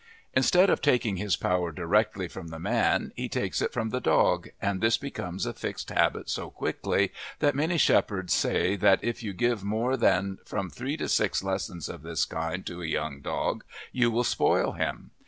Instead of taking his power directly from the man he takes it from the dog, and this becomes a fixed habit so quickly that many shepherds say that if you give more than from three to six lessons of this kind to a young dog you will spoil him.